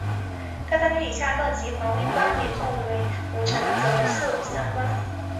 大将军以下各级环卫官也作为武臣责授散官。